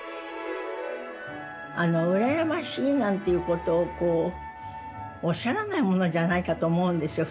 うらやましいなんていうことをおっしゃらないものじゃないかと思うんですよ